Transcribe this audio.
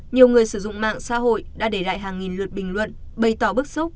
nhiều người sử dụng mạng xã hội đã để lại hàng nghìn lượt bình luận bày tỏ bức xúc